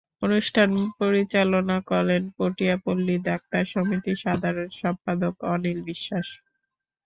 অনুষ্ঠান পরিচালনা করেন পটিয়া পল্লি ডাক্তার সমিতির সাধারণ সম্পাদক অনিল বিশ্বাস।